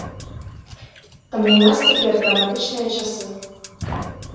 Таму ў нас цяпер драматычныя часы.